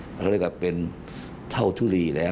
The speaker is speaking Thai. เขาเรียกว่าเป็นเท่าทุลีแล้ว